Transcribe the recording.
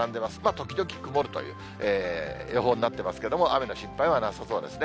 時々曇るという予報になっていますけれども、雨の心配はなさそうですね。